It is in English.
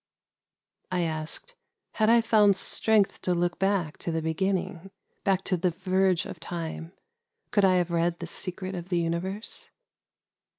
I asked :—" Had I found strength to look back to the beginning, — back to the verge of Time, — could I have read the Secret of the uni verse?"